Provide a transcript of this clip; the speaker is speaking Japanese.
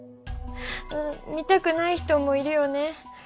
見たくない人もいるよね。